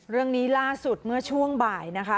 เรื่องนี้ล่าสุดเมื่อช่วงบ่ายนะคะ